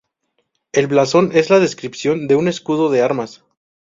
El blasón es la descripción de un escudo de armas.